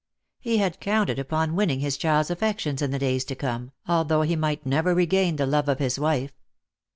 He had counted upon winning his child's affections in the days to come, although he might never regain the love of his wife.